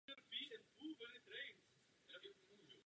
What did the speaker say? Proto podporuji rozhodnutí otevřít těmto členským státům hranice.